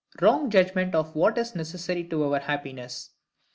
Wrong judgment of what is necessary to our Happiness.